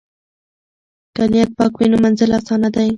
که نیت پاک وي نو منزل اسانه دی.